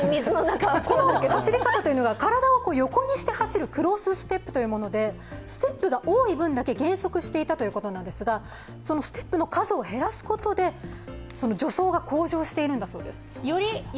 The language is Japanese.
この走り方というのが、体を横にして走るクロスステップというものでステップが多い分だけ減速していたということなんですがそのステップの数を減らすことで助走が向上しているそうです。